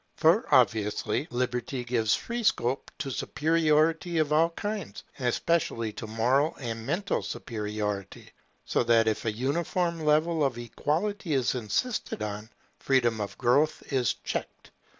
For obviously, Liberty gives free scope to superiority of all kinds, and especially to moral and mental superiority; so that if a uniform level of Equality is insisted on, freedom of growth is checked.